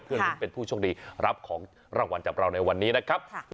เพื่อลุ้นเป็นผู้โชคดีรับของรางวัลจากเราในวันนี้นะครับ